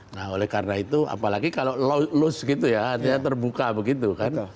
nah oleh karena itu apalagi kalau lost gitu ya artinya terbuka begitu kan